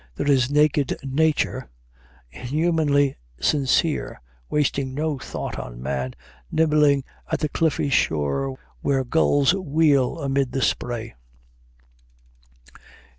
There is naked Nature, inhumanely sincere, wasting no thought on man, nibbling at the cliffy shore where gulls wheel amid the spray."